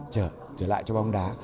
trở lại cho bóng đá